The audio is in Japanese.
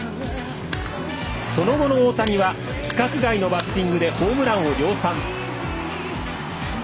その後の大谷は、規格外のバッティングでホームランを量産。